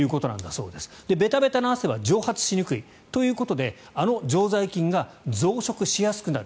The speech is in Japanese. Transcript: ベタベタの汗は蒸発しにくいということであの常在菌が増殖しやすくなる。